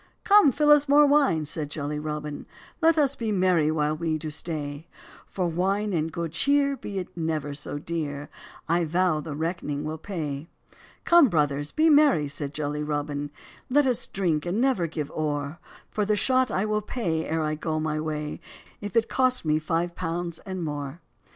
"Come fill us more wine," said jolly Robin, "Let us be merry while we do stay; For wine and good cheer, be it never so dear, I vow I the reck'ning will pay. "Come, 'brothers,' be merry," said jolly Robin, "Let us drink, and never give ore; For the shot I will pay, ere I go my way, If it cost me five pounds and more."